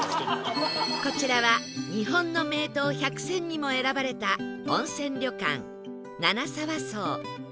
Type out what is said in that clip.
こちらは日本の名湯百選にも選ばれた温泉旅館七沢荘